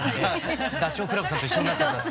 ダチョウ倶楽部さんと一緒になっちゃうから。